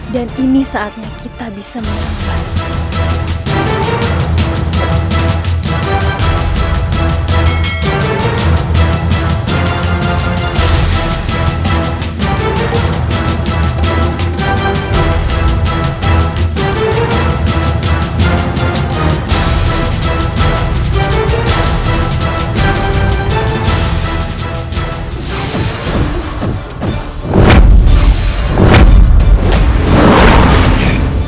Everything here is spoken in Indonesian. dan ini saatnya kita bisa menempat